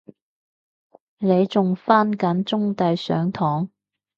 你仲返緊中大上堂？